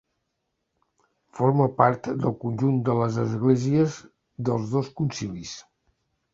Forma part del conjunt de les Esglésies dels dos concilis.